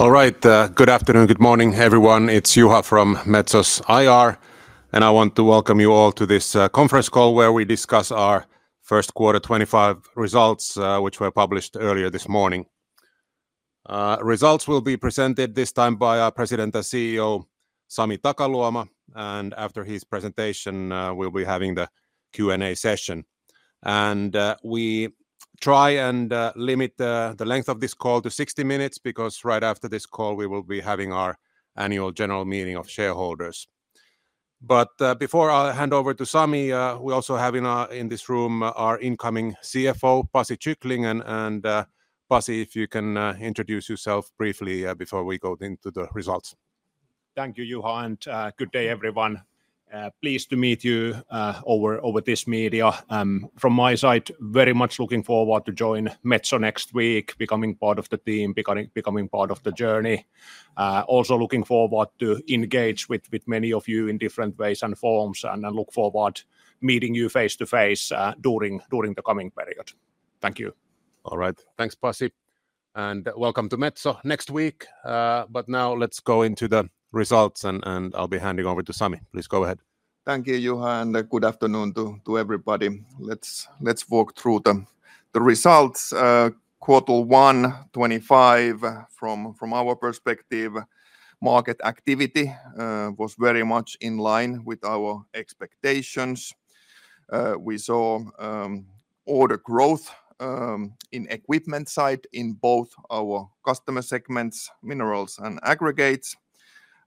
All right, good afternoon, good morning, everyone. It's Juha from Metso's IR, and I want to welcome you all to this conference call where we discuss our first quarter 2025 results, which were published earlier this morning. Results will be presented this time by our President and CEO, Sami Takaluoma, and after his presentation, we'll be having the Q&A session. We try and limit the length of this call to 60 minutes because right after this call, we will be having our annual general meeting of shareholders. Before I hand over to Sami, we also have in this room our incoming CFO, Pasi Kyckling, and Pasi, if you can introduce yourself briefly before we go into the results. Thank you, Juha, and good day, everyone. Pleased to meet you over this media. From my side, very much looking forward to join Metso next week, becoming part of the team, becoming part of the journey. Also looking forward to engage with many of you in different ways and forms, and look forward to meeting you face to face during the coming period. Thank you. All right, thanks, Pasi, and welcome to Metso next week. Now let's go into the results, and I'll be handing over to Sami. Please go ahead. Thank you, Juha, and good afternoon to everybody. Let's walk through the results. Quarter 1, 2025, from our perspective, market activity was very much in line with our expectations. We saw order growth in the equipment side in both our customer segments, minerals and aggregates.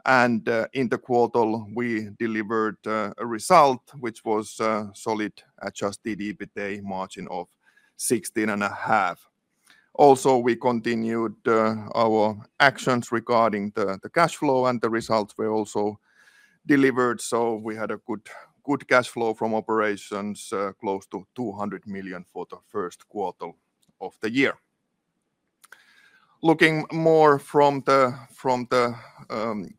In the quarter, we delivered a result, which was a solid adjusted EBITDA margin of 16.5%. Also, we continued our actions regarding the cash flow, and the results were also delivered, so we had a good cash flow from operations, close to 200 million for the first quarter of the year. Looking more from the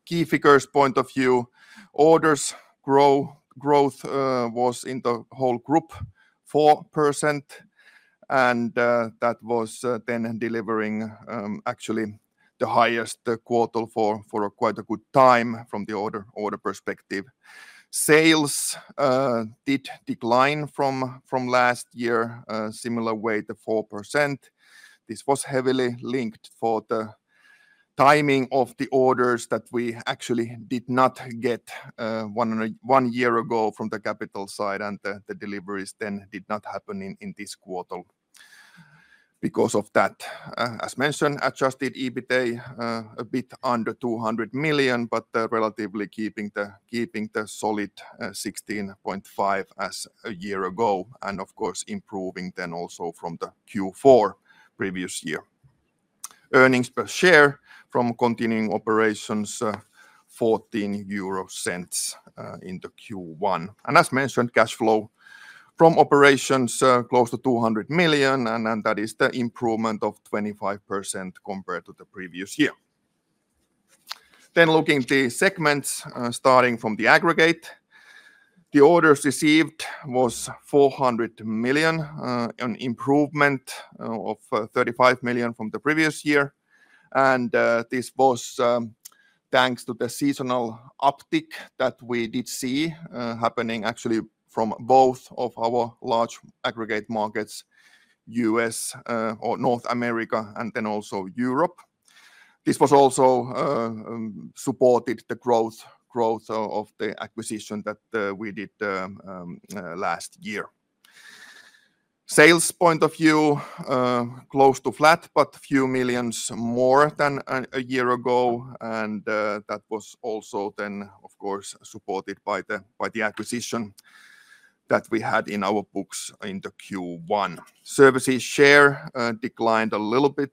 key figures point of view, orders growth was in the whole group 4%, and that was then delivering actually the highest quarter for quite a good time from the order perspective. Sales did decline from last year, similar way to 4%. This was heavily linked for the timing of the orders that we actually did not get one year ago from the capital side, and the deliveries then did not happen in this quarter. Because of that, as mentioned, adjusted EBITDA a bit under 200 million, but relatively keeping the solid 16.5% as a year ago, and of course improving then also from the Q4 previous year. Earnings per share from continuing operations, 0.14 in the Q1. As mentioned, cash flow from operations close to 200 million, and that is the improvement of 25% compared to the previous year. Looking at the segments starting from the aggregate, the orders received was 400 million, an improvement of 35 million from the previous year. This was thanks to the seasonal uptick that we did see happening actually from both of our large aggregate markets, US or North America, and then also Europe. This also supported the growth of the acquisition that we did last year. Sales point of view, close to flat, but a few millions more than a year ago, and that was also then, of course, supported by the acquisition that we had in our books in Q1. Services share declined a little bit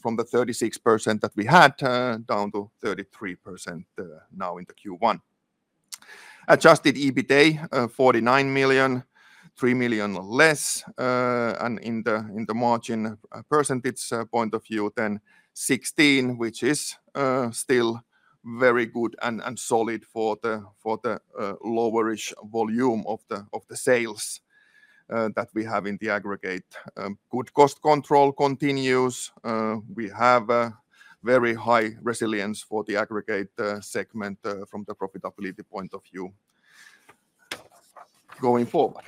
from the 36% that we had, down to 33% now in Q1. Adjusted EBITDA, 49 million, 3 million less, and in the margin percentage point of view, then 16%, which is still very good and solid for the lowerish volume of the sales that we have in the aggregate. Good cost control continues. We have a very high resilience for the aggregates segment from the profitability point of view going forward.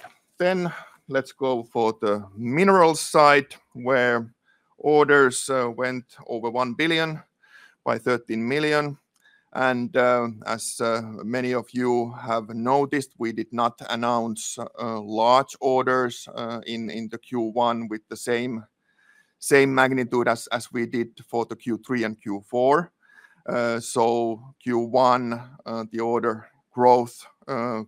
Let's go for the minerals side, where orders went over 1 billion by 13 million. As many of you have noticed, we did not announce large orders in Q1 with the same magnitude as we did for Q3 and Q4. Q1, the order growth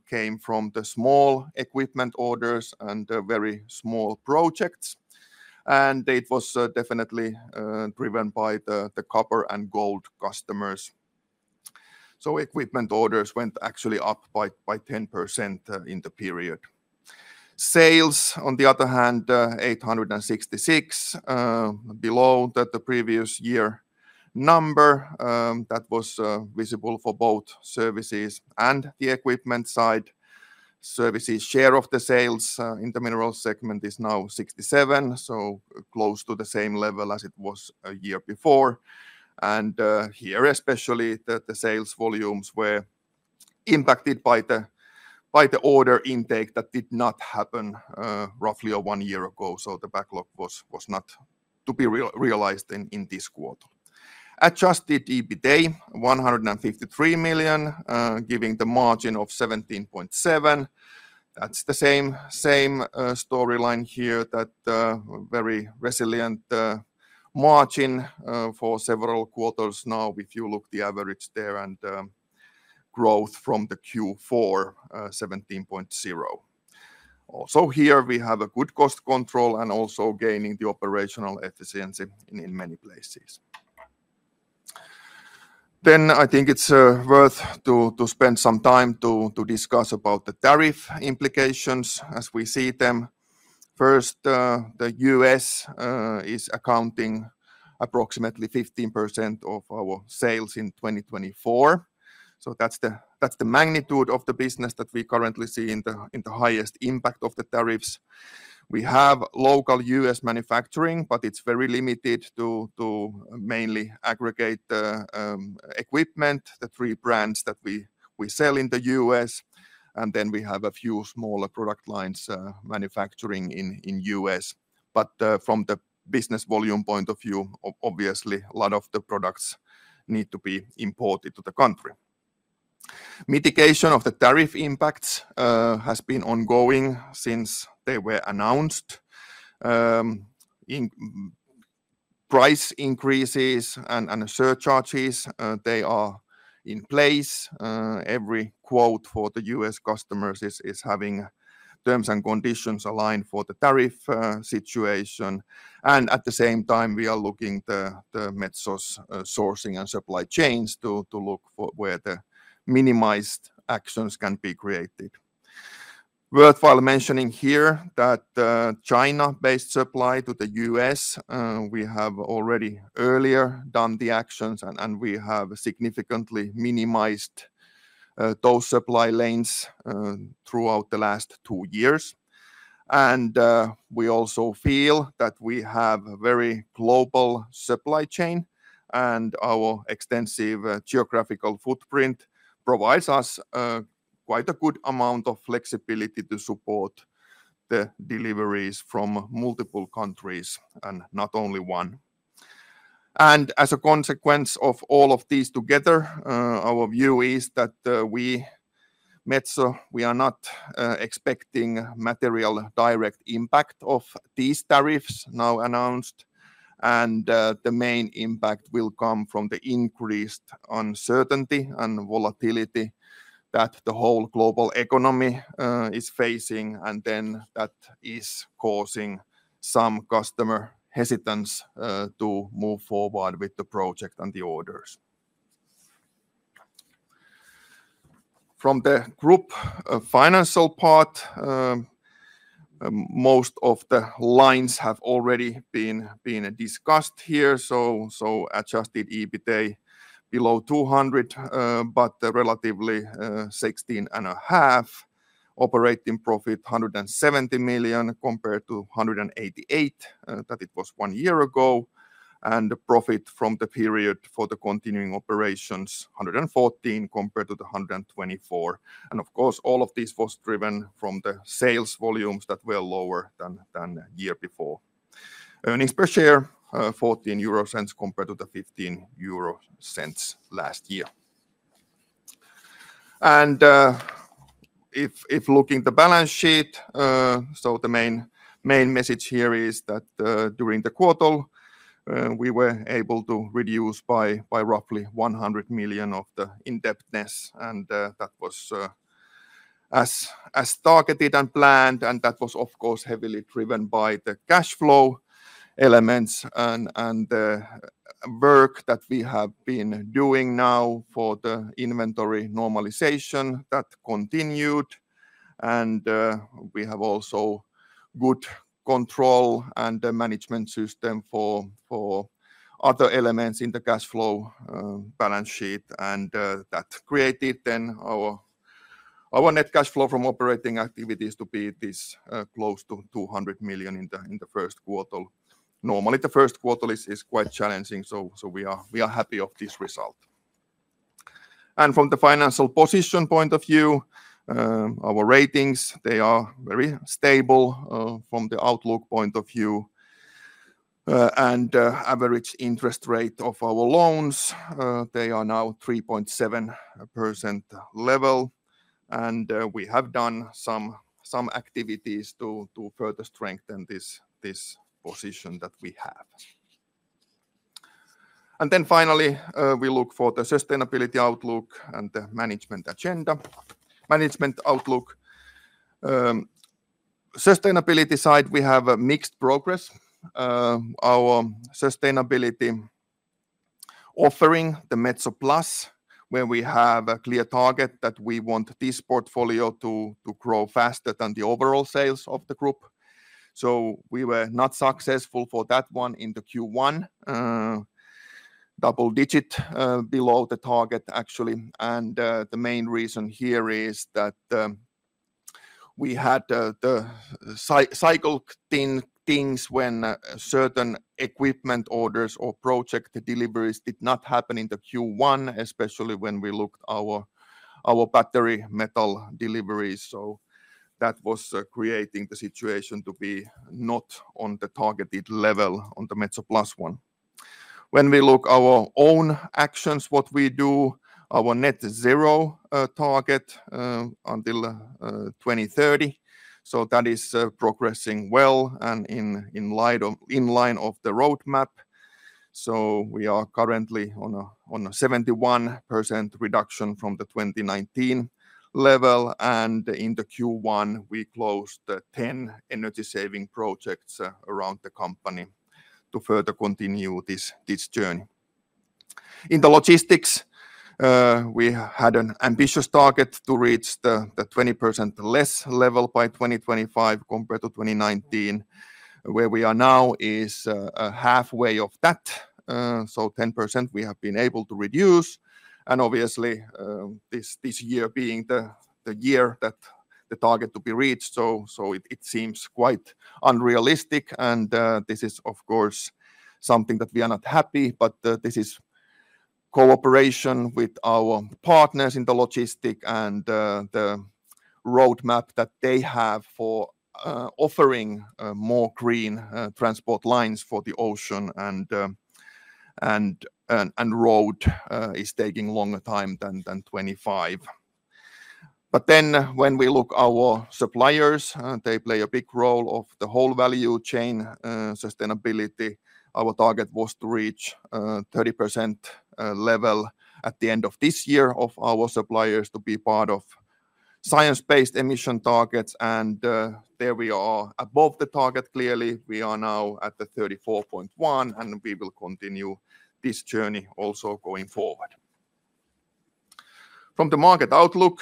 came from the small equipment orders and very small projects. It was definitely driven by the copper and gold customers. Equipment orders went actually up by 10% in the period. Sales, on the other hand, 866 million, below the previous year number. That was visible for both services and the equipment side. Services share of the sales in the minerals segment is now 67%, so close to the same level as it was a year before. Here especially, the sales volumes were impacted by the order intake that did not happen roughly one year ago, so the backlog was not to be realized in this quarter. Adjusted EBITDA, 153 million, giving the margin of 17.7%. That's the same storyline here, that very resilient margin for several quarters now. If you look at the average there and growth from the Q4, 17.0%. Also here we have good cost control and also gaining the operational efficiency in many places. I think it's worth to spend some time to discuss about the tariff implications as we see them. First, the U.S. is accounting for approximately 15% of our sales in 2024. That's the magnitude of the business that we currently see in the highest impact of the tariffs. We have local U.S. manufacturing, but it's very limited to mainly aggregates equipment, the three brands that we sell in the U.S. We have a few smaller product lines manufacturing in the U.S. From the business volume point of view, obviously a lot of the products need to be imported to the country. Mitigation of the tariff impacts has been ongoing since they were announced. Price increases and surcharges, they are in place. Every quote for the U.S. customers is having terms and conditions aligned for the tariff situation. At the same time, we are looking at Metso's sourcing and supply chains to look for where the minimized actions can be created. Worthwhile mentioning here that China-based supply to the U.S., we have already earlier done the actions, and we have significantly minimized those supply lanes throughout the last two years. We also feel that we have a very global supply chain, and our extensive geographical footprint provides us quite a good amount of flexibility to support the deliveries from multiple countries and not only one. As a consequence of all of these together, our view is that we, Metso, we are not expecting material direct impact of these tariffs now announced. The main impact will come from the increased uncertainty and volatility that the whole global economy is facing, and that is causing some customer hesitance to move forward with the project and the orders. From the group financial part, most of the lines have already been discussed here. Adjusted EBITDA below 200 million, but relatively 16.5%. Operating profit 170 million compared to 188 million that it was one year ago. The profit from the period for the continuing operations 114 million compared to the 124 million. Of course, all of this was driven from the sales volumes that were lower than the year before. Earnings per share 0.14 compared to the 0.15 last year. If looking at the balance sheet, the main message here is that during the quarter, we were able to reduce by roughly 100 million of the indebtedness, and that was as targeted and planned, and that was heavily driven by the cash flow elements and the work that we have been doing now for the inventory normalization that continued. We have also good control and management system for other elements in the cash flow balance sheet, and that created then our net cash flow from operating activities to be this close to 200 million in the first quarter. Normally, the first quarter is quite challenging, so we are happy with this result. From the financial position point of view, our ratings are very stable from the outlook point of view. The average interest rate of our loans is now at the 3.7% level, and we have done some activities to further strengthen this position that we have. Finally, we look for the sustainability outlook and the management agenda. Management outlook. On the sustainability side, we have mixed progress. Our sustainability offering, the Metso Plus, where we have a clear target that we want this portfolio to grow faster than the overall sales of the group. We were not successful for that one in Q1, double digit below the target actually. The main reason here is that we had the cycle things when certain equipment orders or project deliveries did not happen in Q1, especially when we looked at our battery metal deliveries. That was creating the situation to be not on the targeted level on the Metso Plus one. When we look at our own actions, what we do, our net zero target until 2030. That is progressing well and in line of the roadmap. We are currently on a 71% reduction from the 2019 level, and in the Q1, we closed 10 energy saving projects around the company to further continue this journey. In the logistics, we had an ambitious target to reach the 20% less level by 2025 compared to 2019. Where we are now is halfway of that, so 10% we have been able to reduce. Obviously, this year being the year that the target to be reached, it seems quite unrealistic, and this is of course something that we are not happy, but this is cooperation with our partners in the logistic and the roadmap that they have for offering more green transport lines for the ocean and road is taking longer time than 2025. When we look at our suppliers, they play a big role of the whole value chain sustainability. Our target was to reach 30% level at the end of this year of our suppliers to be part of science-based emission targets, and there we are above the target clearly. We are now at the 34.1%, and we will continue this journey also going forward. From the market outlook,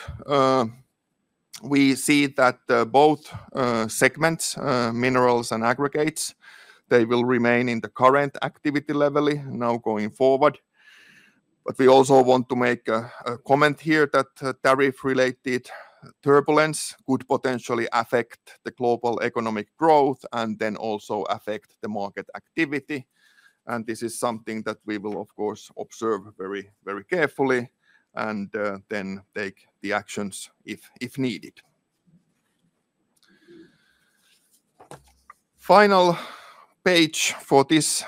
we see that both segments, minerals and aggregates, they will remain in the current activity level now going forward. We also want to make a comment here that tariff-related turbulence could potentially affect the global economic growth and then also affect the market activity. This is something that we will of course observe very carefully and then take the actions if needed. The final page for this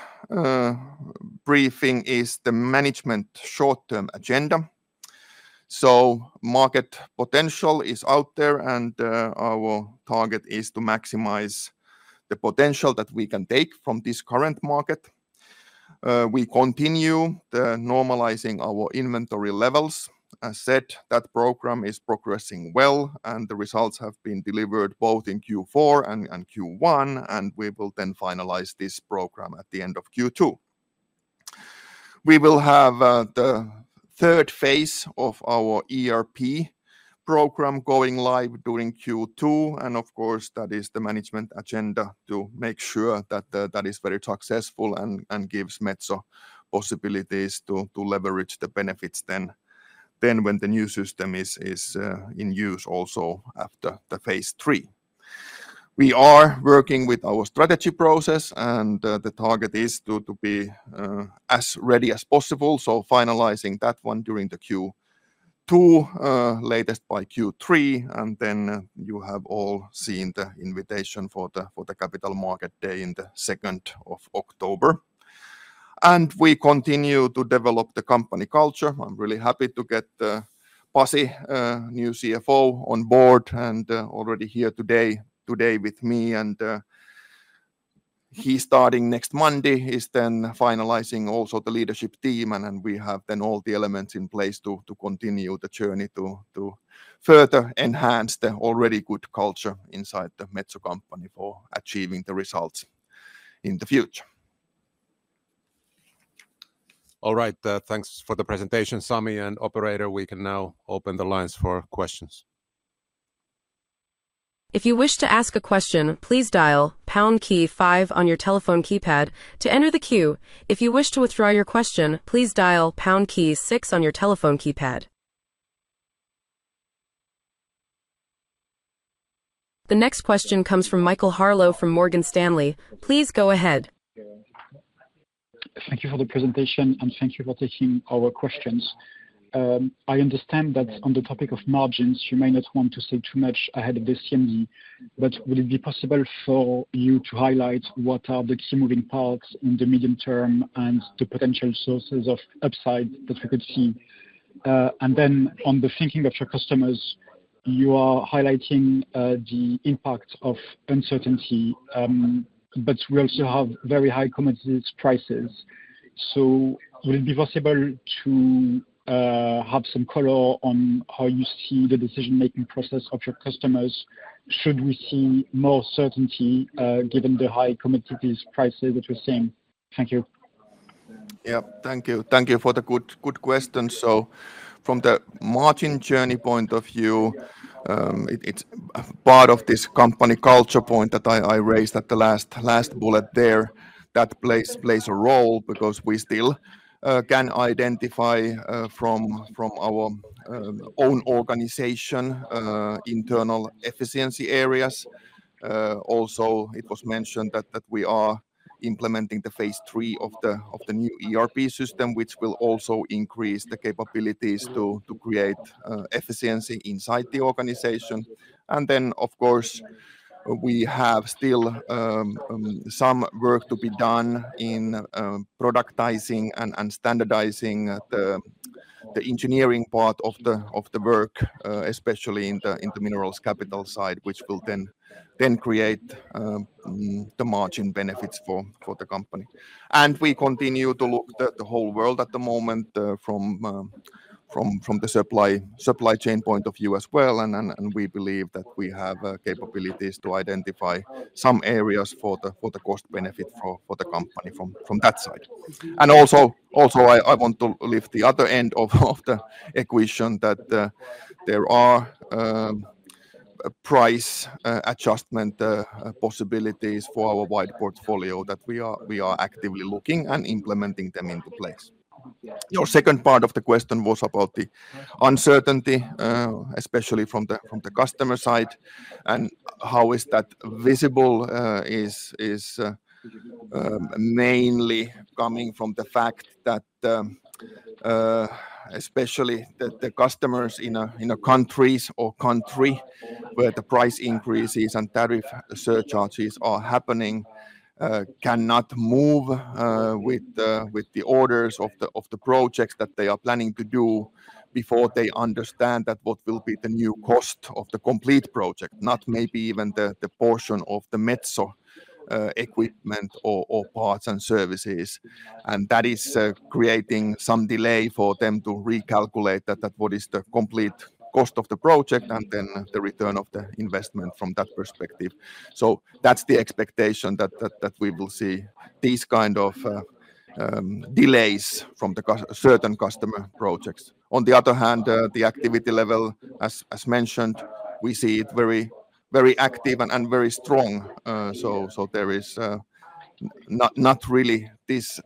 briefing is the management short-term agenda. Market potential is out there, and our target is to maximize the potential that we can take from this current market. We continue normalizing our inventory levels. As said, that program is progressing well, and the results have been delivered both in Q4 and Q1, and we will then finalize this program at the end of Q2. We will have the third phase of our ERP program going live during Q2, and of course that is the management agenda to make sure that that is very successful and gives Metso possibilities to leverage the benefits then when the new system is in use also after the phase three. We are working with our strategy process, and the target is to be as ready as possible, so finalizing that one during Q2, latest by Q3, and you have all seen the invitation for the capital market day in the second of October. We continue to develop the company culture. I'm really happy to get Pasi, new CFO, on board and already here today with me, and he's starting next Monday, is then finalizing also the leadership team, and we have then all the elements in place to continue the journey to further enhance the already good culture inside the Metso company for achieving the results in the future. All right, thanks for the presentation, Sami and operator. We can now open the lines for questions. If you wish to ask a question, please dial pound key five on your telephone keypad to enter the queue. If you wish to withdraw your question, please dial pound key six on your telephone keypad. The next question comes from Michael Harlow from Morgan Stanley. Please go ahead. Thank you for the presentation, and thank you for taking our questions. I understand that on the topic of margins, you may not want to say too much ahead of this CMV, but would it be possible for you to highlight what are the key moving parts in the medium term and the potential sources of upside that we could see? On the thinking of your customers, you are highlighting the impact of uncertainty, but we also have very high commodities prices. Would it be possible to have some color on how you see the decision-making process of your customers should we see more certainty given the high commodities prices that we're seeing? Thank you. Thank you. Thank you for the good question. From the margin journey point of view, it's part of this company culture point that I raised at the last bullet there. That plays a role because we still can identify from our own organization internal efficiency areas. Also, it was mentioned that we are implementing the phase three of the new ERP system, which will also increase the capabilities to create efficiency inside the organization. Of course, we have still some work to be done in productizing and standardizing the engineering part of the work, especially in the minerals capital side, which will then create the margin benefits for the company. We continue to look at the whole world at the moment from the supply chain point of view as well, and we believe that we have capabilities to identify some areas for the cost benefit for the company from that side. I want to lift the other end of the equation that there are price adjustment possibilities for our wide portfolio that we are actively looking and implementing them into place. Your second part of the question was about the uncertainty, especially from the customer side, and how is that visible is mainly coming from the fact that especially the customers in countries or country where the price increases and tariff surcharges are happening cannot move with the orders of the projects that they are planning to do before they understand that what will be the new cost of the complete project, not maybe even the portion of the Metso equipment or parts and services. That is creating some delay for them to recalculate that what is the complete cost of the project and then the return of the investment from that perspective. That is the expectation that we will see these kind of delays from certain customer projects. On the other hand, the activity level, as mentioned, we see it very active and very strong. There is not really this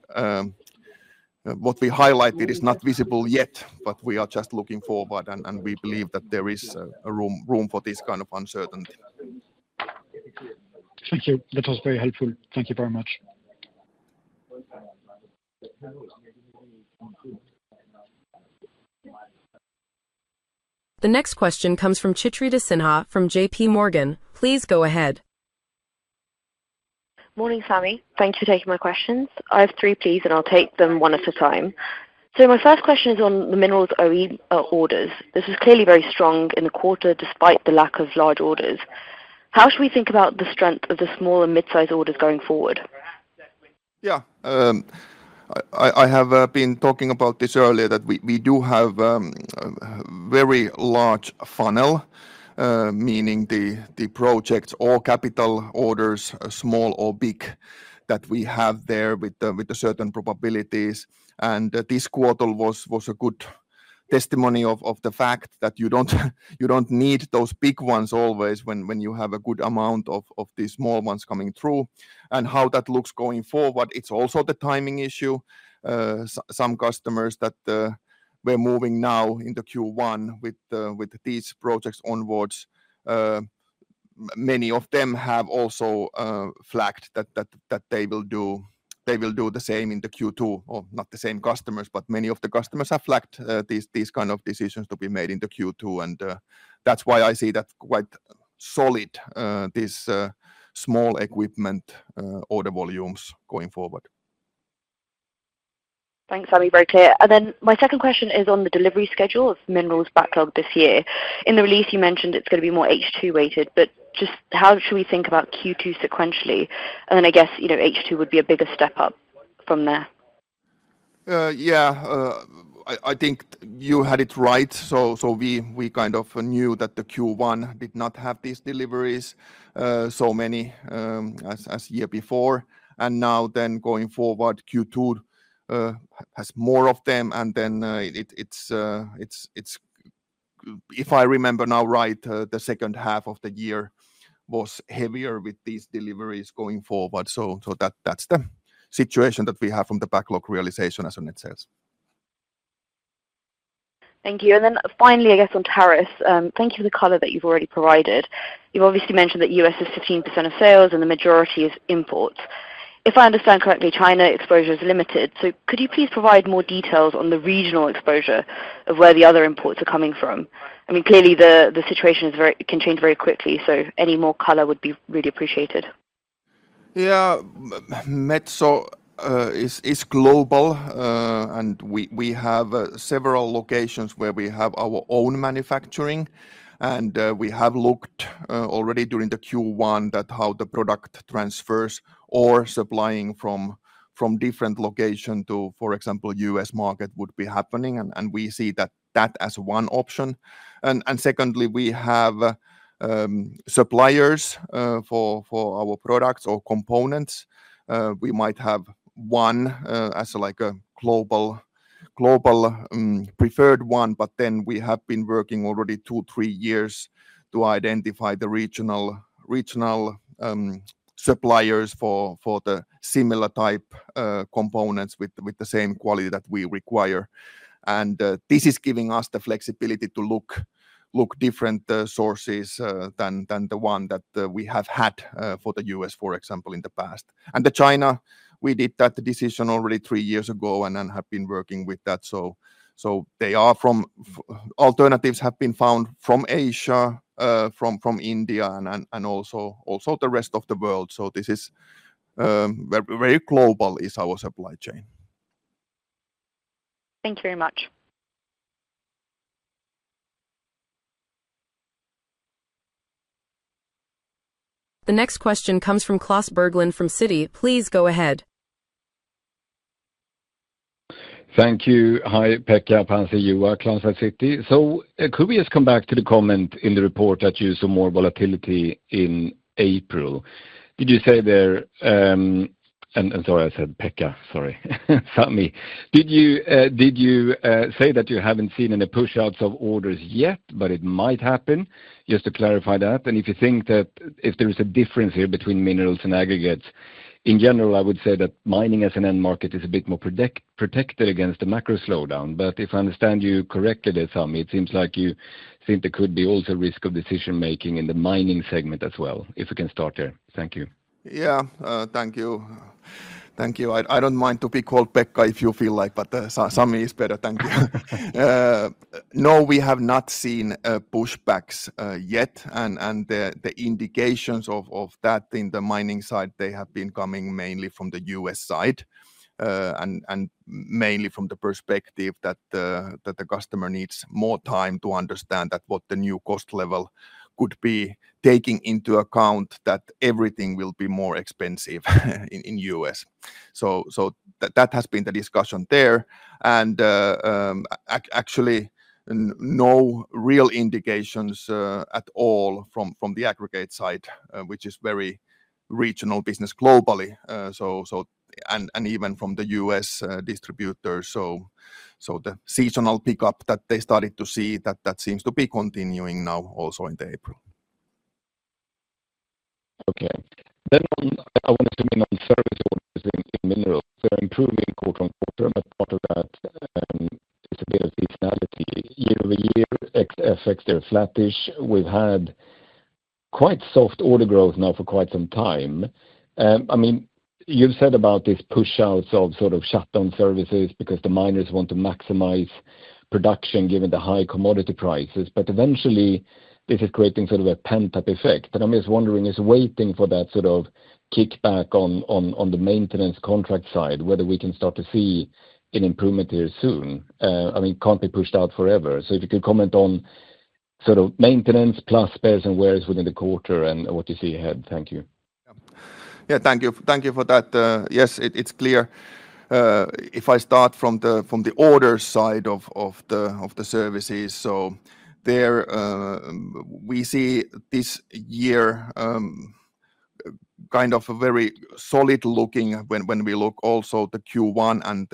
what we highlighted is not visible yet, but we are just looking forward and we believe that there is room for this kind of uncertainty. Thank you. That was very helpful. Thank you very much. The next question comes from Chetan Udeshi from JPMorgan. Please go ahead. Morning, Sami. Thank you for taking my questions. I have three, and I will take them one at a time. My first question is on the minerals orders. This is clearly very strong in the quarter despite the lack of large orders. How should we think about the strength of the small and mid-size orders going forward? Yeah, I have been talking about this earlier that we do have a very large funnel, meaning the projects or capital orders, small or big, that we have there with the certain probabilities. This quarter was a good testimony of the fact that you do not need those big ones always when you have a good amount of these small ones coming through. How that looks going forward, it is also the timing issue. Some customers that we are moving now into Q1 with these projects onwards, many of them have also flagged that they will do the same in Q2. Not the same customers, but many of the customers have flagged these kind of decisions to be made in Q2. That is why I see that quite solid, these small equipment order volumes going forward. Thanks, Sami. Very clear. Then my second question is on the delivery schedule of minerals backlog this year. In the release, you mentioned it is going to be more H2 weighted, but just how should we think about Q2 sequentially? I guess H2 would be a bigger step up from there. Yeah, I think you had it right. We kind of knew that Q1 did not have these deliveries so many as the year before. Now going forward, Q2 has more of them. If I remember now right, the second half of the year was heavier with these deliveries going forward. That is the situation that we have from the backlog realization as on itself. Thank you. Finally, I guess on tariffs, thank you for the color that you have already provided. You've obviously mentioned that US is 15% of sales and the majority is imports. If I understand correctly, China exposure is limited. Could you please provide more details on the regional exposure of where the other imports are coming from? I mean, clearly the situation can change very quickly, so any more color would be really appreciated. Yeah, Metso is global, and we have several locations where we have our own manufacturing. We have looked already during the Q1 at how the product transfers or supplying from different locations to, for example, US market would be happening. We see that as one option. Secondly, we have suppliers for our products or components. We might have one as a global preferred one, but then we have been working already two, three years to identify the regional suppliers for the similar type components with the same quality that we require. This is giving us the flexibility to look different sources than the one that we have had for the U.S., for example, in the past. The China, we did that decision already three years ago and have been working with that. Alternatives have been found from Asia, from India, and also the rest of the world. This is very global is our supply chain. Thank you very much. The next question comes from Klas Bergelind Thank you. Hi, Pekka, Pasi, Juha, Klaus at Citi. Could we just come back to the comment in the report that you saw more volatility in April? Did you say there and sorry, I said Pekka, sorry, Sami. Did you say that you haven't seen any push-outs of orders yet, but it might happen? Just to clarify that. If you think that if there is a difference here between minerals and aggregates, in general, I would say that mining as an end market is a bit more protected against the macro slowdown. If I understand you correctly, Sami, it seems like you think there could be also risk of decision-making in the mining segment as well. If you can start there, thank you. Yeah, thank you. Thank you. I don't mind to be called Pekka if you feel like, but Sami is better. Thank you. No, we have not seen pushbacks yet. The indications of that in the mining side have been coming mainly from the U.S. side and mainly from the perspective that the customer needs more time to understand what the new cost level could be, taking into account that everything will be more expensive in the U.S. That has been the discussion there. Actually, no real indications at all from the aggregates side, which is a very regional business globally, and even from the U.S. distributors. The seasonal pickup that they started to see seems to be continuing now also in April. I wanted to make on the service organizing in minerals. They are improving, quote unquote, but part of that is a bit of seasonality. Year over year, XFX, they are flattish. We have had quite soft order growth now for quite some time. I mean, you've said about these push-outs of sort of shutdown services because the miners want to maximize production given the high commodity prices. Eventually, this is creating sort of a pent-up effect. I'm just wondering, is waiting for that sort of kickback on the maintenance contract side, whether we can start to see an improvement here soon. I mean, it can't be pushed out forever. If you could comment on sort of maintenance plus spares and wears within the quarter and what you see ahead. Thank you. Yeah, thank you. Thank you for that. Yes, it's clear. If I start from the order side of the services, there we see this year kind of a very solid looking when we look also the Q1 and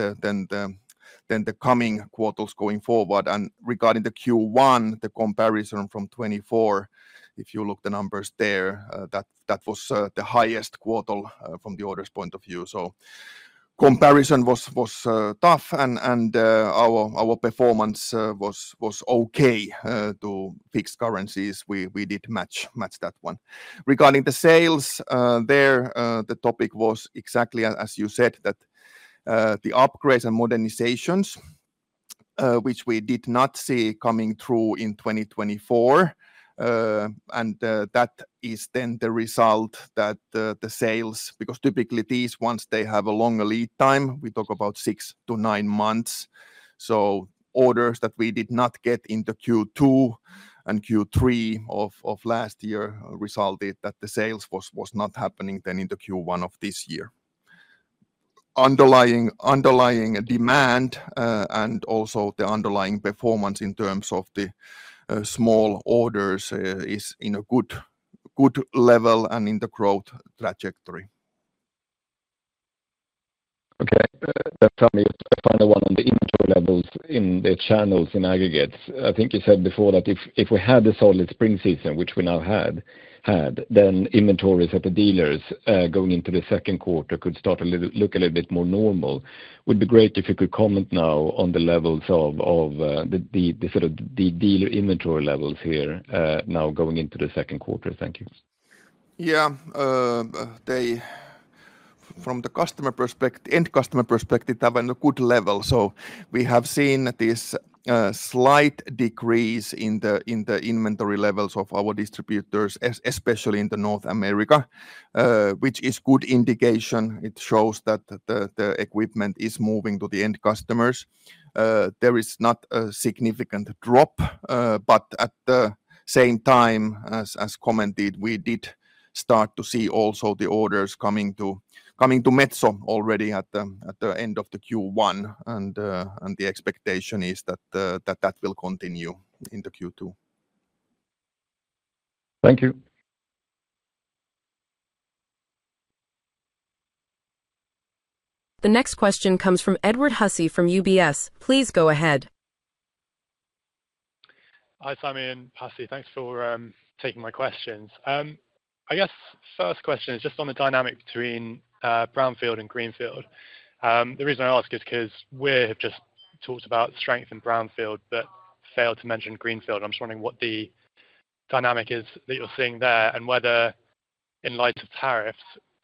then the coming quarters going forward. Regarding the Q1, the comparison from 2024, if you look at the numbers there, that was the highest quarter from the orders point of view. Comparison was tough, and our performance was okay to fixed currencies. We did match that one. Regarding the sales there, the topic was exactly as you said, that the upgrades and modernizations, which we did not see coming through in 2024. That is then the result that the sales, because typically these ones, they have a longer lead time. We talk about six to nine months. Orders that we did not get into Q2 and Q3 of last year resulted that the sales was not happening then into Q1 of this year. Underlying demand and also the underlying performance in terms of the small orders is in a good level and in the growth trajectory. Okay. That's fine. The final one on the inventory levels in the channels in aggregates. I think you said before that if we had a solid spring season, which we now had, then inventories at the dealers going into the second quarter could start to look a little bit more normal. Would be great if you could comment now on the levels of the sort of dealer inventory levels here now going into the second quarter. Thank you. Yeah, from the customer perspective, end customer perspective, they have a good level. We have seen this slight decrease in the inventory levels of our distributors, especially in North America, which is a good indication. It shows that the equipment is moving to the end customers. There is not a significant drop, but at the same time, as commented, we did start to see also the orders coming to Metso already at the end of the Q1. The expectation is that that will continue into Q2. Thank you. The next question comes from Edward Hussey from UBS. Please go ahead. Hi, Sami and Hussey. Thanks for taking my questions. I guess first question is just on the dynamic between Brownfield and Greenfield. The reason I ask is because we have just talked about strength in Brownfield, but failed to mention Greenfield. I'm just wondering what the dynamic is that you're seeing there and whether in light of tariffs,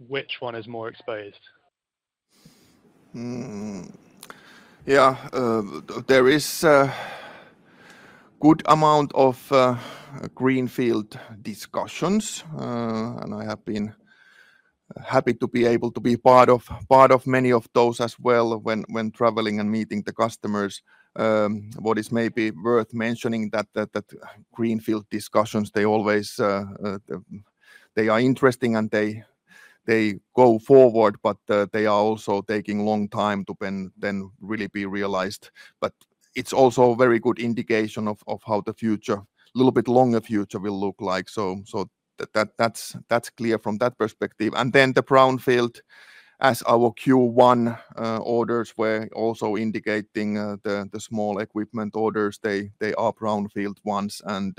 which one is more exposed. Yeah, there is a good amount of Greenfield discussions, and I have been happy to be able to be part of many of those as well when traveling and meeting the customers. What is maybe worth mentioning is that Greenfield discussions, they are interesting and they go forward, but they are also taking a long time to then really be realized. It is also a very good indication of how the future, a little bit longer future will look like. That is clear from that perspective. The Brownfield, as our Q1 orders were also indicating, the small equipment orders, they are Brownfield ones, and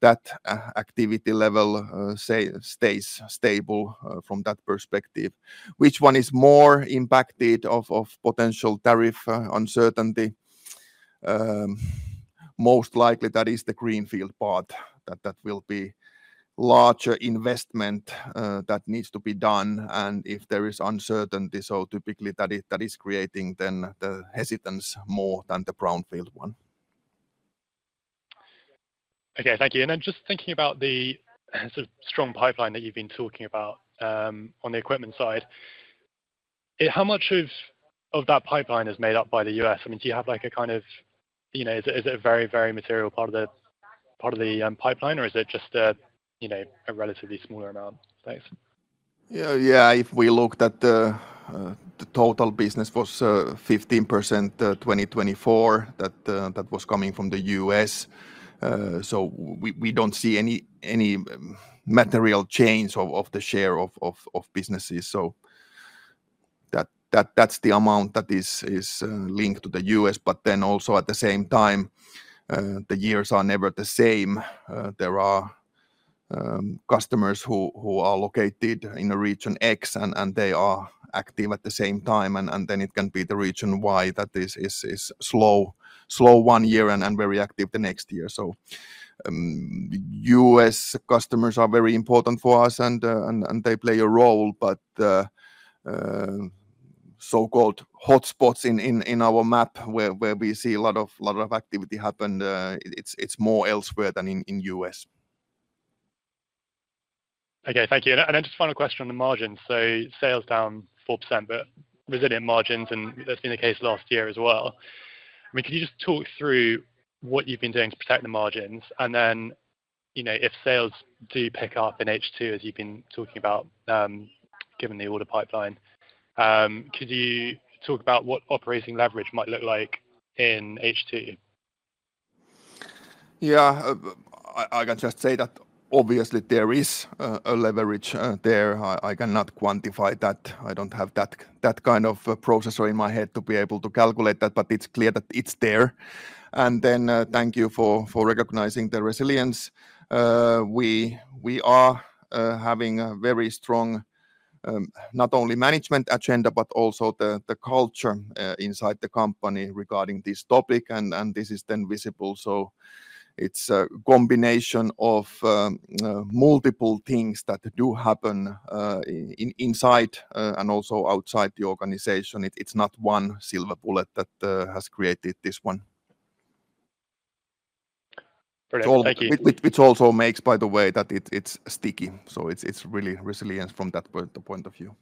that activity level stays stable from that perspective. Which one is more impacted of potential tariff uncertainty? Most likely that is the Greenfield part. That will be a larger investment that needs to be done. If there is uncertainty, typically that is creating the hesitance more than the Brownfield one. Okay, thank you. Just thinking about the sort of strong pipeline that you've been talking about on the equipment side, how much of that pipeline is made up by the U.S.? I mean, do you have like a kind of, is it a very, very material part of the pipeline, or is it just a relatively smaller amount? Thanks. Yeah, if we looked at the total business, it was 15% in 2024 that was coming from the U.S. We do not see any material change of the share of business, so that is the amount that is linked to the U.S. At the same time, the years are never the same. There are customers who are located in a region X, and they are active at the same time. It can be that region Y is slow one year and very active the next year. U.S. customers are very important for us, and they play a role, but so-called hotspots in our map where we see a lot of activity happen, it's more elsewhere than in the U.S. Okay, thank you. Just final question on the margins. Sales down 4%, but resilient margins, and that's been the case last year as well. I mean, could you just talk through what you've been doing to protect the margins? If sales do pick up in H2, as you've been talking about, given the order pipeline, could you talk about what operating leverage might look like in H2? Yeah, I can just say that obviously there is a leverage there. I cannot quantify that. I don't have that kind of processor in my head to be able to calculate that, but it's clear that it's there. Thank you for recognizing the resilience. We are having a very strong not only management agenda, but also the culture inside the company regarding this topic. This is then visible. It is a combination of multiple things that do happen inside and also outside the organization. It is not one silver bullet that has created this one, which also makes, by the way, that it is sticky. It is really resilient from that point of view.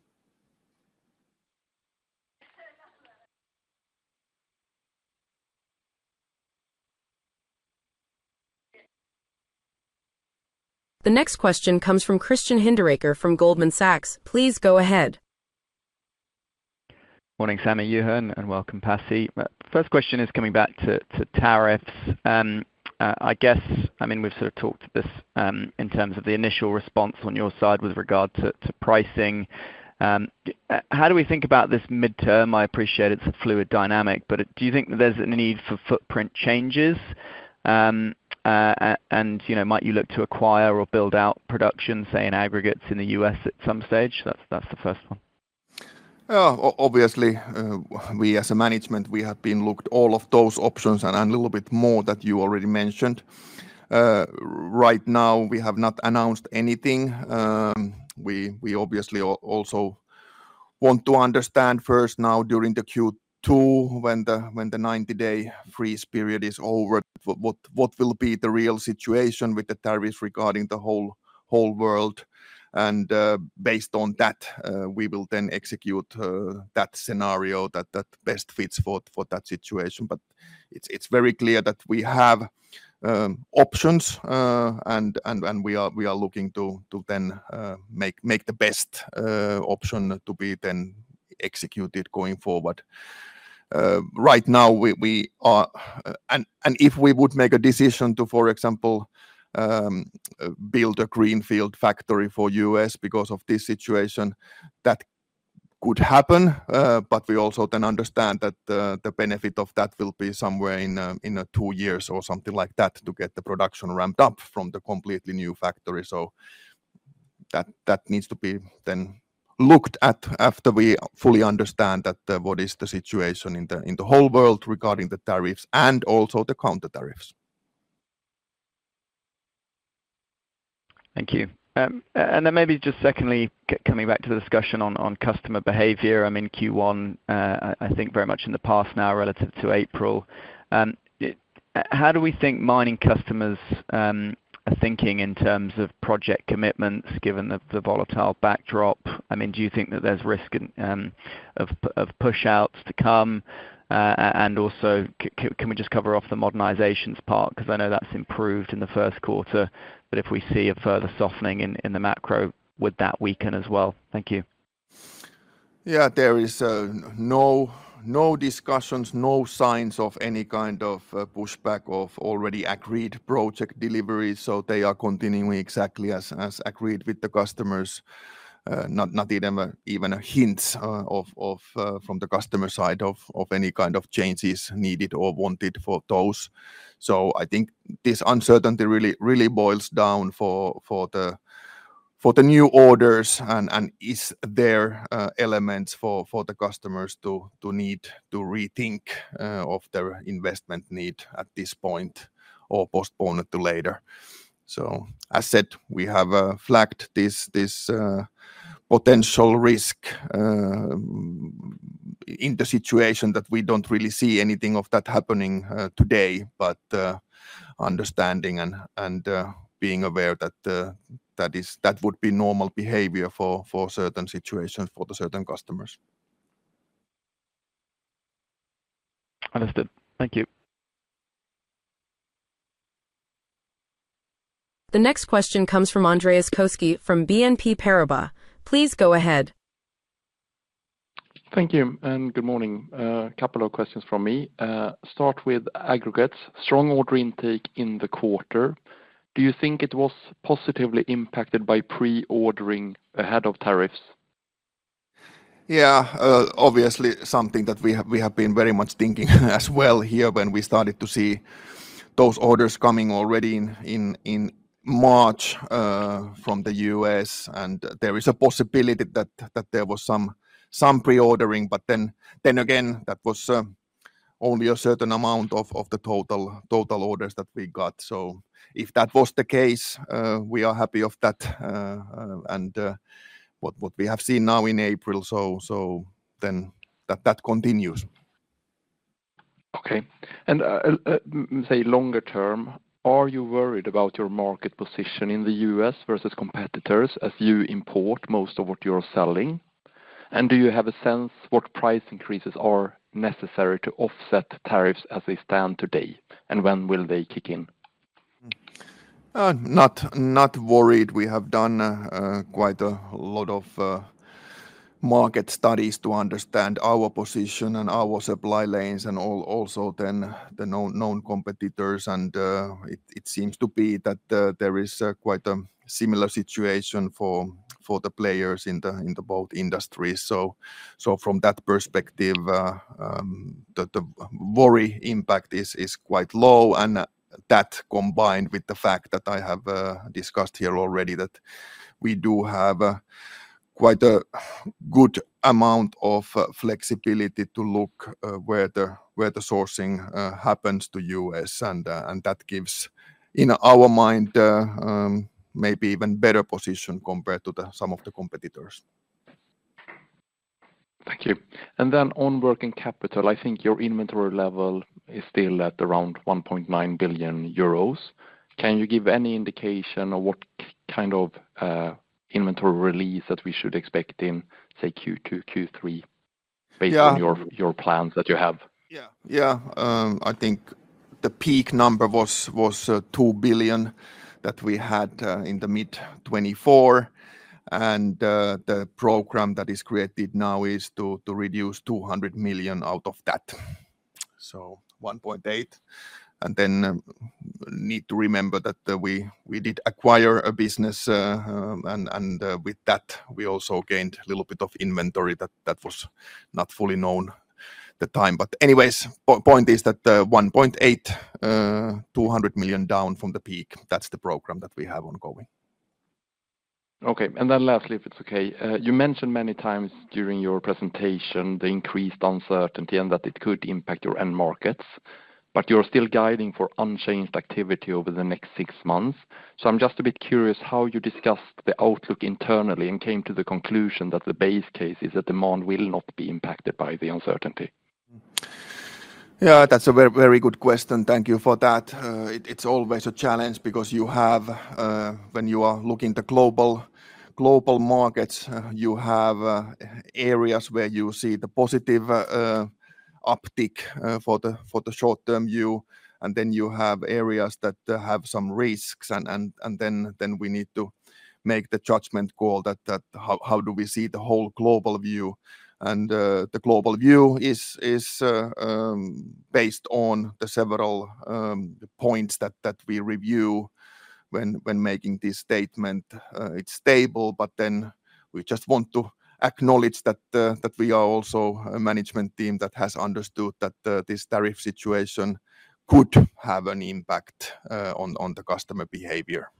The next question comes from Christian Hinderaker from Goldman Sachs. Please go ahead. Morning, Sami. You heard and welcome, Pasi. First question is coming back to tariffs. I guess, I mean, we have sort of talked to this in terms of the initial response on your side with regard to pricing. How do we think about this midterm? I appreciate it is a fluid dynamic, but do you think there is a need for footprint changes? Might you look to acquire or build out production, say, in aggregates in the US at some stage? That is the first one. Obviously, we as a management, we have been looked at all of those options and a little bit more that you already mentioned. Right now, we have not announced anything. We obviously also want to understand first now during the Q2 when the 90-day freeze period is over, what will be the real situation with the tariffs regarding the whole world. Based on that, we will then execute that scenario that best fits for that situation. It is very clear that we have options, and we are looking to then make the best option to be then executed going forward. Right now, we are, and if we would make a decision to, for example, build a Greenfield factory for the U.S. because of this situation, that could happen. We also then understand that the benefit of that will be somewhere in two years or something like that to get the production ramped up from the completely new factory. That needs to be then looked at after we fully understand what is the situation in the whole world regarding the tariffs and also the counter tariffs. Thank you. Maybe just secondly, coming back to the discussion on customer behavior, I am in Q1, I think very much in the past now relative to April. How do we think mining customers are thinking in terms of project commitments given the volatile backdrop? I mean, do you think that there is risk of push-outs to come? Can we just cover off the modernizations part? I know that's improved in the first quarter, but if we see a further softening in the macro, would that weaken as well? Thank you. There is no discussions, no signs of any kind of pushback of already agreed project deliveries. They are continuing exactly as agreed with the customers. Not even a hint from the customer side of any kind of changes needed or wanted for those. I think this uncertainty really boils down for the new orders and is there elements for the customers to need to rethink of their investment need at this point or postpone it to later. As said, we have flagged this potential risk in the situation that we do not really see anything of that happening today, but understanding and being aware that that would be normal behavior for certain situations for certain customers. Understood. Thank you. The next question comes from Andreas Koski from BNP Paribas. Please go ahead. Thank you. And good morning. A couple of questions from me. Start with aggregates. Strong order intake in the quarter. Do you think it was positively impacted by pre-ordering ahead of tariffs? Yeah, obviously something that we have been very much thinking as well here when we started to see those orders coming already in March from the U.S. And there is a possibility that there was some pre-ordering, but then again, that was only a certain amount of the total orders that we got. If that was the case, we are happy of that. What we have seen now in April, that continues. Okay. Say longer term, are you worried about your market position in the U.S. versus competitors as you import most of what you're selling? Do you have a sense what price increases are necessary to offset tariffs as they stand today? When will they kick in? Not worried. We have done quite a lot of market studies to understand our position and our supply lanes and also the known competitors. It seems to be that there is quite a similar situation for the players in both industries. From that perspective, the worry impact is quite low. That combined with the fact that I have discussed here already that we do have quite a good amount of flexibility to look where the sourcing happens to the US. That gives in our mind maybe even better position compared to some of the competitors. Thank you. On working capital, I think your inventory level is still at around 1.9 billion euros. Can you give any indication of what kind of inventory release that we should expect in, say, Q2, Q3 based on your plans that you have? Yeah, yeah. I think the peak number was 2 billion that we had in mid-2024. The program that is created now is to reduce 200 million out of that. So 1.8 billion. You need to remember that we did acquire a business, and with that, we also gained a little bit of inventory that was not fully known at the time. Anyways, point is that 1.8 billion, 200 million down from the peak. That is the program that we have ongoing. Okay. Lastly, if it is okay, you mentioned many times during your presentation the increased uncertainty and that it could impact your end markets, but you are still guiding for unchanged activity over the next six months. I am just a bit curious how you discussed the outlook internally and came to the conclusion that the base case is that demand will not be impacted by the uncertainty. Yeah, that is a very good question. Thank you for that. It's always a challenge because you have, when you are looking at the global markets, you have areas where you see the positive uptick for the short-term view. You have areas that have some risks. We need to make the judgment call that how do we see the whole global view. The global view is based on the several points that we review when making this statement. It's stable, but we just want to acknowledge that we are also a management team that has understood that this tariff situation could have an impact on the customer behavior.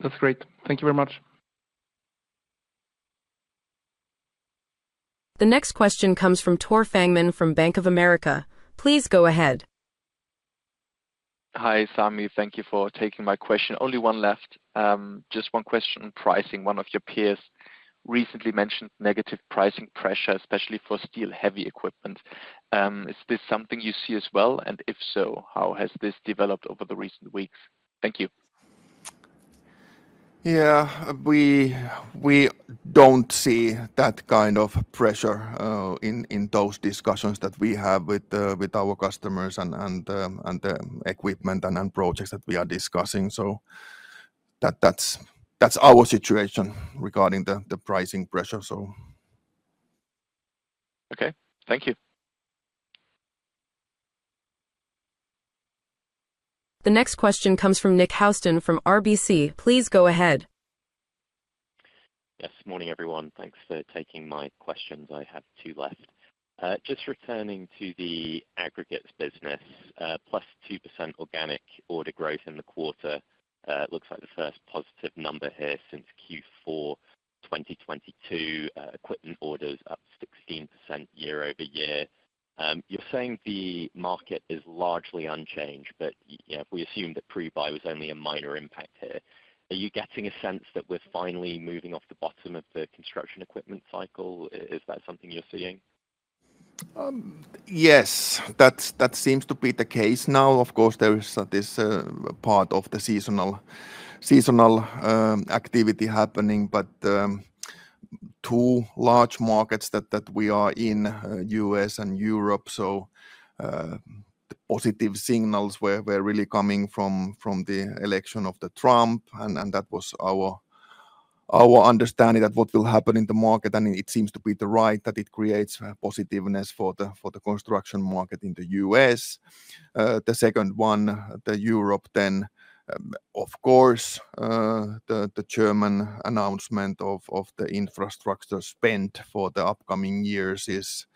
That's great. Thank you very much. The next question comes from Tor Fangman from Bank of America. Please go ahead. Hi, Sami. Thank you for taking my question. Only one left. Just one question on pricing. One of your peers recently mentioned negative pricing pressure, especially for steel-heavy equipment. Is this something you see as well? If so, how has this developed over the recent weeks? Thank you. Yeah, we do not see that kind of pressure in those discussions that we have with our customers and the equipment and projects that we are discussing. That is our situation regarding the pricing pressure. Thank you. The next question comes from Nick Housden from RBC. Please go ahead. Yes. Morning, everyone. Thanks for taking my questions. I have two left. Just returning to the aggregates business, plus 2% organic order growth in the quarter. Looks like the first positive number here since Q4 2022. Equipment orders up 16% year over year. You are saying the market is largely unchanged, but we assume that pre-buy was only a minor impact here. Are you getting a sense that we're finally moving off the bottom of the construction equipment cycle? Is that something you're seeing? Yes, that seems to be the case now. Of course, there is this part of the seasonal activity happening, but two large markets that we are in, U.S. and Europe. The positive signals were really coming from the election of Trump. That was our understanding that what will happen in the market. It seems to be right that it creates positiveness for the construction market in the U.S. The second one, Europe, then, of course, the German announcement of the infrastructure spend for the upcoming years is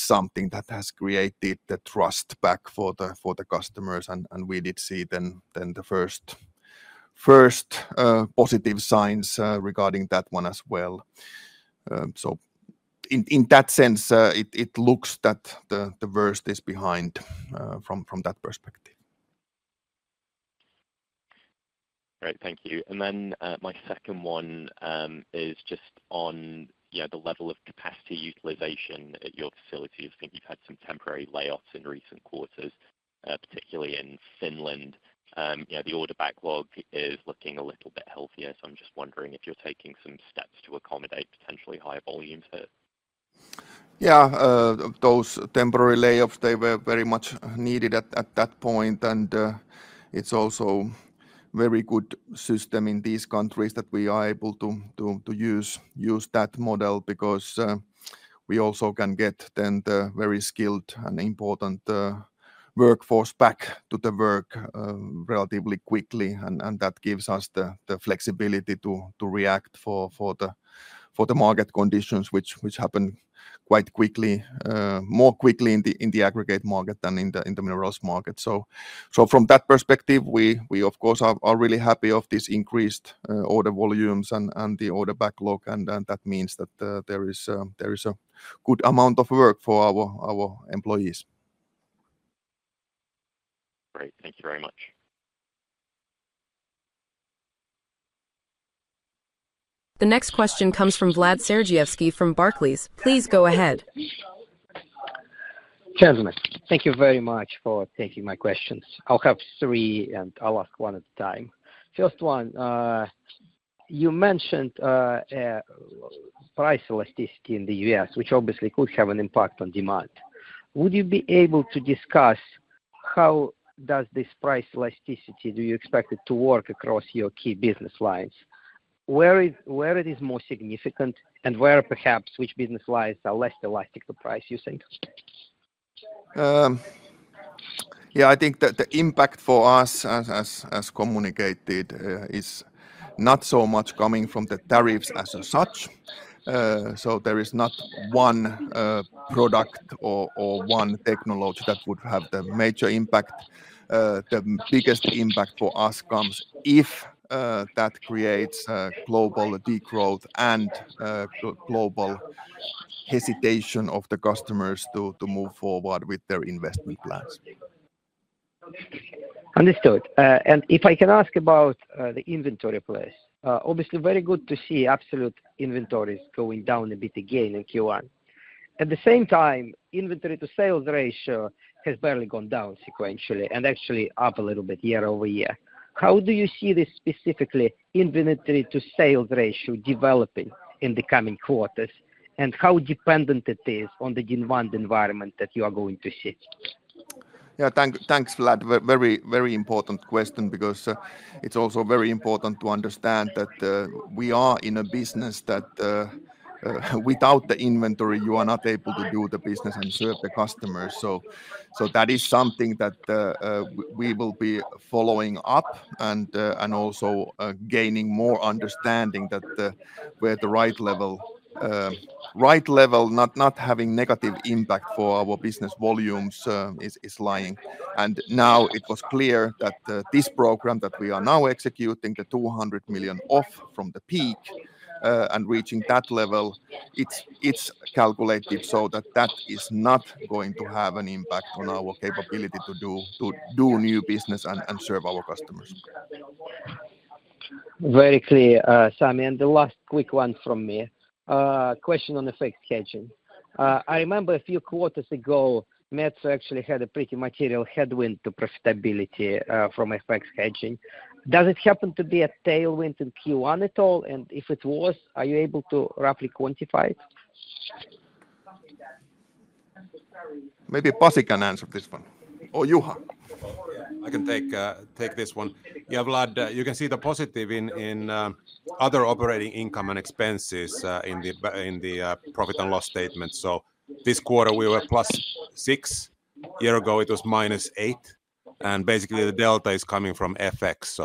something that has created the trust back for the customers. We did see the first positive signs regarding that one as well. In that sense, it looks that the worst is behind from that perspective. Great. Thank you. My second one is just on the level of capacity utilization at your facility. I think you've had some temporary layoffs in recent quarters, particularly in Finland. The order backlog is looking a little bit healthier. I'm just wondering if you're taking some steps to accommodate potentially higher volumes there. Yeah, those temporary layoffs, they were very much needed at that point. It's also a very good system in these countries that we are able to use that model because we also can get then the very skilled and important workforce back to the work relatively quickly. That gives us the flexibility to react for the market conditions, which happen quite quickly, more quickly in the aggregate market than in the minerals market. From that perspective, we, of course, are really happy of these increased order volumes and the order backlog. That means that there is a good amount of work for our employees. Great. Thank you very much. The next question comes from Vlad Sergievski Thank you very much for taking my questions. I'll have three and I'll ask one at a time. First one, you mentioned price elasticity in the U.S., which obviously could have an impact on demand. Would you be able to discuss how does this price elasticity, do you expect it to work across your key business lines? Where it is more significant and where perhaps which business lines are less elastic to price, you think? Yeah, I think that the impact for us, as communicated, is not so much coming from the tariffs as such. There is not one product or one technology that would have the major impact. The biggest impact for us comes if that creates global degrowth and global hesitation of the customers to move forward with their investment plans. Understood. If I can ask about the inventory place, obviously very good to see absolute inventories going down a bit again in Q1. At the same time, inventory-to-sales ratio has barely gone down sequentially and actually up a little bit year over year. How do you see this specifically inventory-to-sales ratio developing in the coming quarters and how dependent it is on the demand environment that you are going to see? Yeah, thanks, Vlad. Very, very important question because it is also very important to understand that we are in a business that without the inventory, you are not able to do the business and serve the customers. That is something that we will be following up and also gaining more understanding where the right level, right level, not having negative impact for our business volumes is lying. It was clear that this program that we are now executing, the 200 million off from the peak and reaching that level, it's calculated so that that is not going to have an impact on our capability to do new business and serve our customers. Very clear, Sami. The last quick one from me. Question on FX hedging. I remember a few quarters ago, Metso actually had a pretty material headwind to profitability from FX hedging. Does it happen to be a tailwind in Q1 at all? If it was, are you able to roughly quantify it? Maybe Pasi can answer this one. Or Juha. I can take this one. Yeah, Vlad, you can see the positive in other operating income and expenses in the profit and loss statement. This quarter, we were plus 6. A year ago, it was minus 8. Basically, the delta is coming from FX.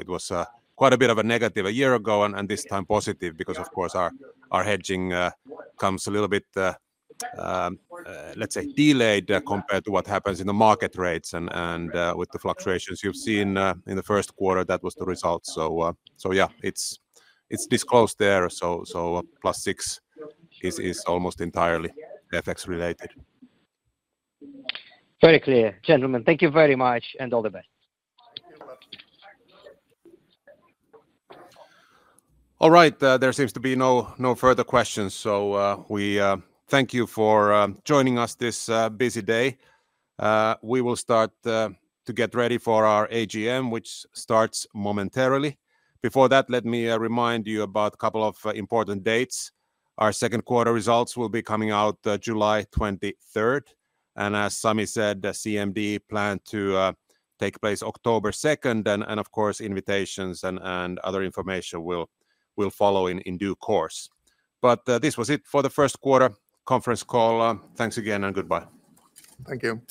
It was quite a bit of a negative a year ago and this time positive because, of course, our hedging comes a little bit, let's say, delayed compared to what happens in the market rates and with the fluctuations you have seen in the first quarter, that was the result. It is disclosed there. Plus 6 is almost entirely FX-related. Very clear. Gentlemen, thank you very much and all the best. All right. There seems to be no further questions. We thank you for joining us this busy day. We will start to get ready for our AGM, which starts momentarily. Before that, let me remind you about a couple of important dates. Our second quarter results will be coming out July 23rd. As Sami said, the CMD planned to take place October 2nd. Of course, invitations and other information will follow in due course. This was it for the first quarter conference call. Thanks again and goodbye. Thank you.